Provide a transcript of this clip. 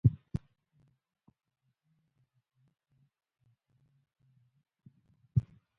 ورزش د بدن د دفاعي قوت زیاتولو کې مرسته کوي.